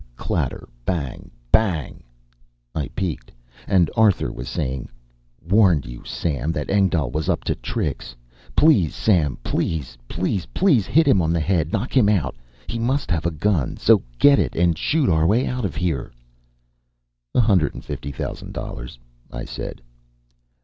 Clatter bang BANG. I peeked, and Arthur was saying: WARNED YOU SAM THAT ENGDAHL WAS UP TO TRICKS PLEASE SAM PLEASE PLEASE PLEASE HIT HIM ON THE HEAD KNOCK HIM OUT HE MUST HAVE A GUN SO GET IT AND SHOOT OUR WAY OUT OF HERE "A hundred and fifty thousand dollars," I said.